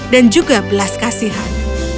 dan juga dengan belas kasihan